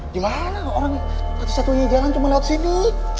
gimana orang satu satunya jalan cuma lewat sini